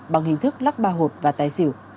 bằng hình thức lắc ba hộp và tái xỉu